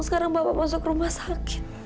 sekarang bapak masuk rumah sakit